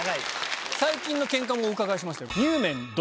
最近のケンカもお伺いしましたよ。